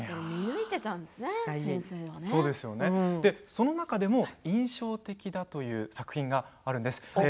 その中でも印象的だという作品があるんです。